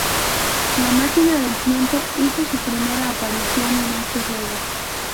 La máquina del tiempo hizo su primera aparición en este juego.